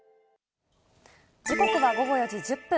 時刻は午後４時１０分。